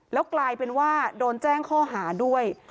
แล้วกลายเป็นว่าโดนแจ้งข้อหาด้วย